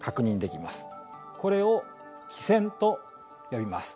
これを輝線と呼びます。